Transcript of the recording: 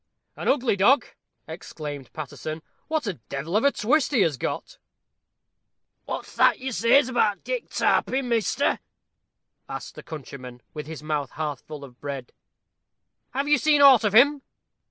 "An ugly dog!" exclaimed Paterson: "what a devil of a twist he has got!" "What's that you says about Dick Taarpin, measter?" asked the countryman, with his mouth half full of bread. "Have you seen aught of him?"